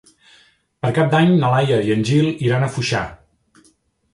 Per Cap d'Any na Laia i en Gil iran a Foixà.